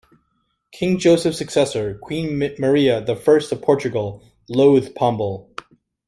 King Joseph's successor, Queen Maria the First of Portugal, loathed Pombal.